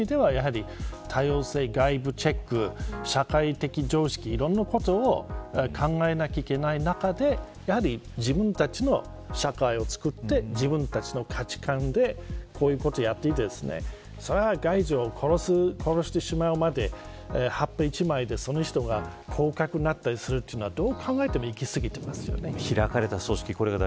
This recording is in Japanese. そういう意味では多様性や外部チェック社会的常識などいろいろなことを考えないといけない中で自分たちの社会をつくって自分たちの価値観でこういうことをやっていてそれは街路樹を殺してしまうまで葉っぱ１枚でその人が降格してしまうのはおかしいですね。